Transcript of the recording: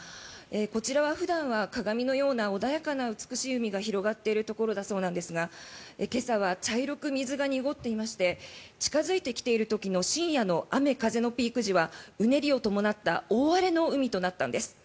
こちらは普段は鏡のような穏やかな美しい海が広がっているところだそうなんですが今朝は茶色く水が濁っていまして近付いている時の深夜の雨風のピーク時はうねりを伴った大荒れの海となったんです。